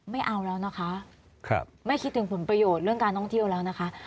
ไม่เอาแล้วนะคะไม่คิดถึงผลประโยชน์เรื่องการท่องเที่ยวแล้วนะคะ